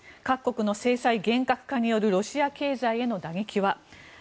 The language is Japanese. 各国の制裁厳格化によるロシア経済への打撃は。